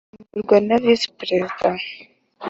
asimburwa na Visi-perezida.